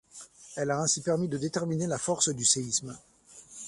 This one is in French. Elle a ainsi permis de déterminer la force du séisme.